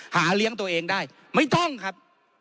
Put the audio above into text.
หาเลี้ยงตัวเองได้ไม่ต้องครับ